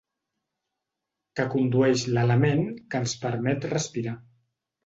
Que condueix l'element que ens permet respirar.